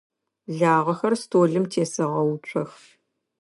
Лагъэхэр столым тесэгъэуцох.